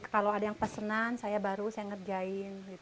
kalau ada yang pesenan saya baru saya ngerjain